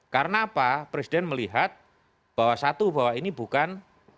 karena apa presiden melihat bahwa satu bahwa ini bukan